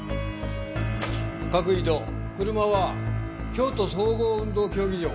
各移動車は京都総合運動競技場。